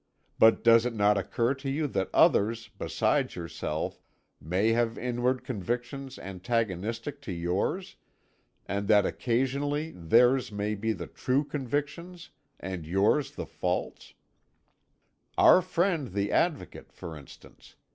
But does it not occur to you that others, besides yourself, may have inward convictions antagonistic to yours, and that occasionally theirs may be the true conviction and yours the false? Our friend the Advocate, for instance.